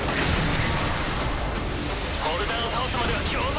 ホルダーを倒すまでは共闘だ！